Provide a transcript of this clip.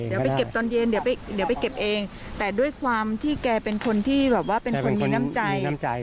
เดี๋ยวไปเก็บตอนเย็นเดี๋ยวไปเก็บเองแต่ด้วยความที่แกเป็นคนที่แบบว่าเป็นคนมีน้ำใจ